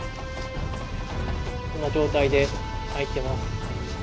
こんな状態で入ってます。